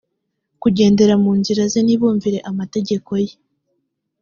kugendera mu nzira ze ntibumvire amategeko ye